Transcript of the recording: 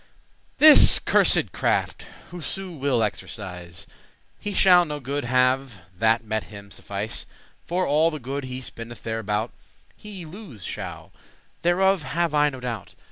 This cursed craft whoso will exercise, He shall no good have that him may suffice; For all the good he spendeth thereabout, He lose shall, thereof have I no doubt.